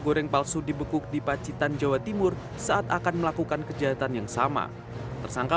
goreng palsu dibekuk di pacitan jawa timur saat akan melakukan kejahatan yang sama tersangka